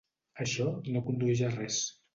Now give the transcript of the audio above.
Això no condueix a res.